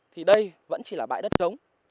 thì đây vẫn chỉ là bãi đất giống